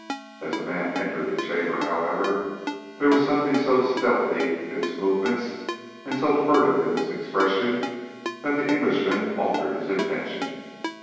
As the man entered the chamber, however, there was something so stealthy in his movements, and so furtive in his expression, that the Englishman altered his intention.